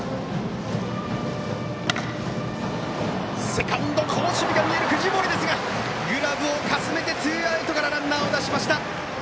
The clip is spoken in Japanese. セカンド、好守備があった藤森ですがグラブをかすめてツーアウトからランナーを出しました。